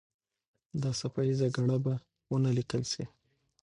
دا څپه ایزه ګړه به ونه لیکل سي.